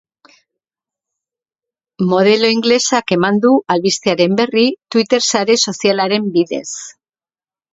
Modelo ingelesak eman du albistearen berri twitter sare sozialaren bidez.